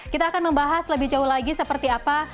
kita akan membahas lebih jauh lagi seperti apa